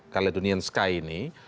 caledonian sky ini